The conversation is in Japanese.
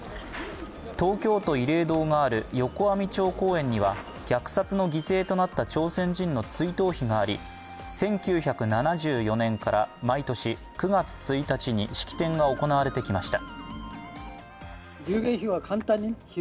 東京都慰霊堂がある横網町公園には虐殺の犠牲となった朝鮮人の追悼碑があり、１９７４年から毎年９月１日に式典が行われてきました。